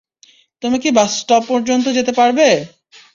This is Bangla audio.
তুমি কি বাস স্টপ পর্যন্ত যেতে পারবে?